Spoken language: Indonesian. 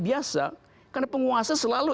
biasa karena penguasa selalu